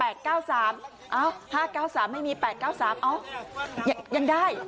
เอ้า๕๙๓ไม่มี๘๙๓อ๋อยังได้